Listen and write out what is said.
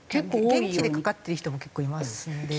現地でかかってる人も結構いますので。